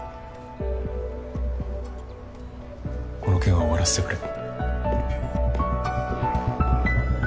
この件は終わらせてくれ。